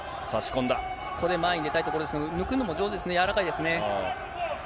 ここで前に出たいところですが、抜くのも上手ですね、柔らかいですね。